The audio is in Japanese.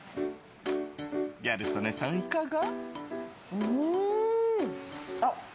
ギャル曽根さん、いかが？